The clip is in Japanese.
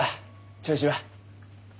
調子は。